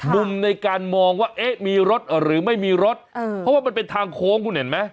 มุมในการมองว่าเอ๊ะมีรถหรือไม่มีรถเพราะว่ามันเป็นทางโค้งคุณเห็นไหม